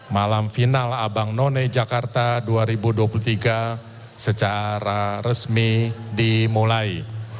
malam final abang none jakarta dua ribu dua puluh tiga secara resmi dimulai